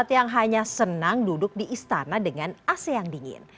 yang hanya senang duduk di istana dengan ac yang dingin